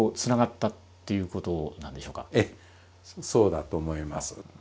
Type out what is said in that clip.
ええそうだと思います。